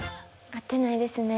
会ってないですね